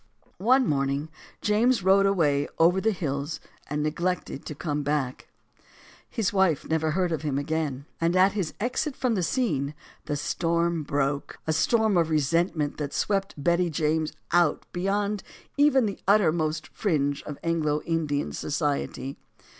One morning James rode away over the hills and neglected to come back. His wife never again heard of him. And at his exit from the scene, the storm broke; a storm of resentment that swept Betty James out beyond even the uttermost fringe of Anglo Indian society.